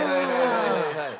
はい